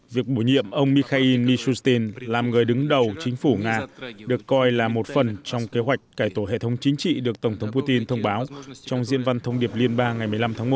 việc bổ nhiệm ông mikhail mishustin làm người đứng đầu chính phủ nga được coi là một phần trong kế hoạch cải tổ hệ thống chính trị được tổng thống putin thông báo trong diện văn thông điệp liên bang ngày một mươi năm tháng một